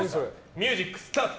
ミュージックスタート！